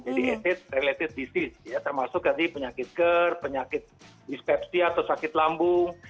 jadi acid related disease ya termasuk jadi penyakit gerd penyakit dispepsi atau sakit lambung